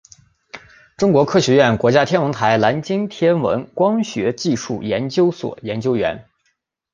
中国科学院国家天文台南京天文光学技术研究所研究员。